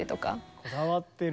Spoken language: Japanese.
こだわってる。